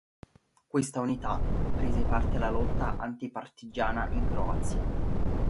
Questa unità prese parte alla lotta anti partigiana in Croazia.